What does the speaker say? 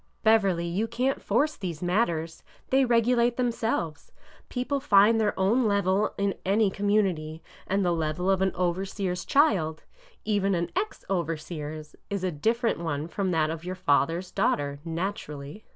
'' Beverly, you can't force these matters. They regu late themselves. People find their own level in any com munity, and the level of an overseer's child — even an ex overseer's — is a different one from that of your father's daughter, naturally.